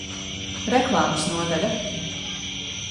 Reklāmas nodaļa